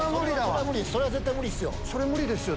それは無理ですよ。